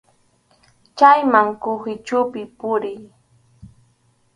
Chayman kuhichupi puriy.